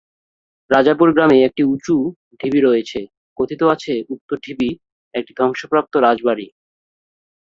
রাজাপুর গ্রামে একটি উঁচু ঢিবি রয়েছে, কথিত আছে উক্ত ঢিবি একটি ধ্বংসপ্রাপ্ত রাজবাড়ী।